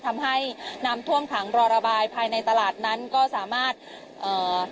ทำให้น้ำท่วมขังรอระบายภายในตลาดนั้นก็สามารถเอ่อ